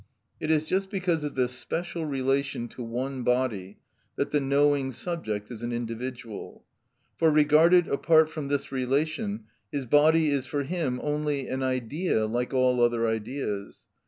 It is just because of this special relation to one body that the knowing subject is an individual. For regarded apart from this relation, his body is for him only an idea like all other ideas.